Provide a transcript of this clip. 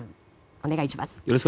お願いします。